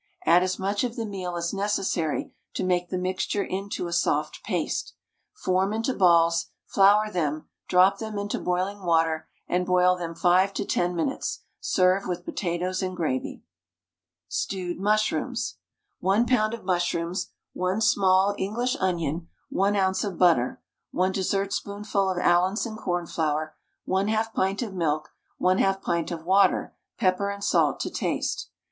Add as much of the meal as necessary to make the mixture into a soft paste. Form into balls, flour them, drop them into boiling water, and boil them 5 to 10 minutes; serve with potatoes and gravy. STEWED MUSHROOMS. 1 lb. of mushrooms, 1 small English onion, 1 oz. of butter, 1 dessertspoonful of Allinson cornflour, 1/2 pint of milk, 1/2 pint of water, pepper and salt to taste.